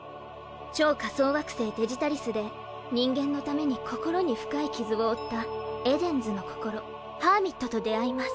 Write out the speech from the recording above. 超仮想惑星デジタリスで人間のために心に深い傷を負ったエデンズの心・ハーミットと出会います。